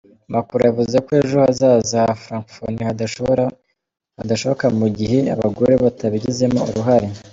Macron yavuze ko ejo hazaza ha Francophonie hadashoboka mu gihe abagore batabigizemo uruhare.